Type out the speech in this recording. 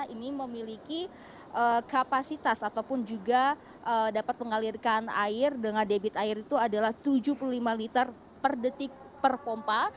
ini memiliki kapasitas ataupun juga dapat mengalirkan air dengan debit air itu adalah tujuh puluh lima liter per detik per pompa